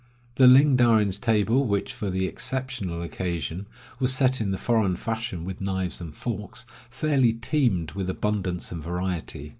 The Ling Darin' s table, which, for the exceptional occasion, was set in the foreign fashion with knives and forks, fairly teemed with abundance and variety.